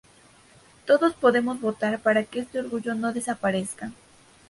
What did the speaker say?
Todos podemos votar para que este orgullo no desaparezca.